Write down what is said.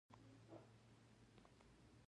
په خپل ځان تسلط لرل ستا ریښتینی قدرت دی.